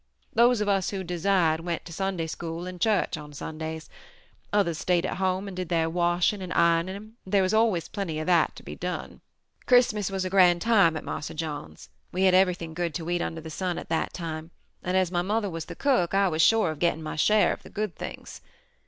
Those of us who desired went to Sunday School and church on Sundays; others stayed at home and did their washing and ironing, and there was always plenty of that to be done. "Christmas was a grand time at Marse John's. We had everything good to eat under the sun at that time and, as my mother was the cook, I was sure of getting my share of the good things.